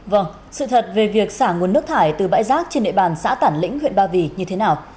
vâng sự thật về việc xả nguồn nước thải từ bãi rác trên địa bàn xã tản lĩnh huyện ba vì như thế nào